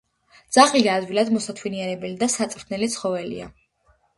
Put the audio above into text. ძაღლი ადვილად მოსათვინიერებელი და საწვრთნელი ცხოველია.